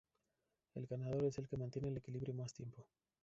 El ganador es el que mantiene el equilibrio más tiempo.